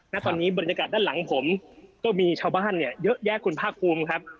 ณตอนนี้บรรยากาศด้านหลังผมก็มีชาวบ้านเนี่ยเยอะแยะคุณภาคภูมิครับ